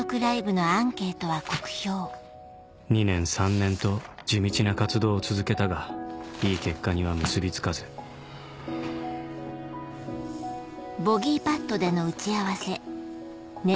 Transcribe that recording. ２年３年と地道な活動を続けたがいい結果には結び付かずありがとうございます。